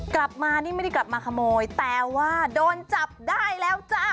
กลับมานี่ไม่ได้กลับมาขโมยแต่ว่าโดนจับได้แล้วจ้า